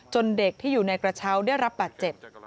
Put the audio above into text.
เด็กที่อยู่ในกระเช้าได้รับบาดเจ็บ